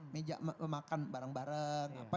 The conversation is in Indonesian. meja makan bareng bareng apa